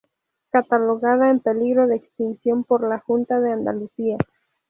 Catalogada en peligro de extinción por la Junta de Andalucía.